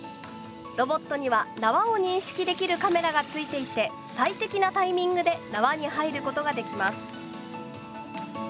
ロボットには縄を認識できるカメラが付いていて最適なタイミングで縄に入ることができます。